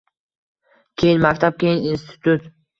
Keyin maktab, keyin institut